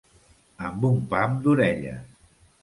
Amb un pam d'orelles.